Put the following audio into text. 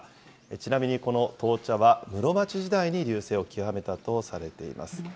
ちなみにこの闘茶は室町時代に隆盛を極めたとされています。